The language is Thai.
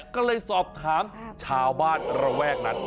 ก็เลยสอบถามชาวบ้านระแวกนั้น